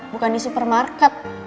bukan di supermarket